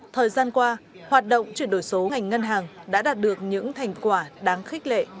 thời gian qua hoạt động chuyển đổi số ngành ngân hàng đã đạt được những thành quả đáng khích lệ